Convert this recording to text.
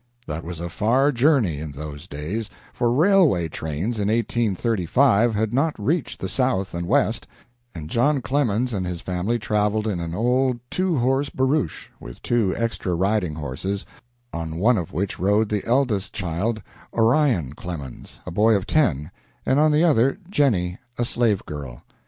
That was a far journey, in those days, for railway trains in 1835 had not reached the South and West, and John Clemens and his family traveled in an old two horse barouche, with two extra riding horses, on one of which rode the eldest child, Orion Clemens, a boy of ten, and on the other Jennie, a slave girl.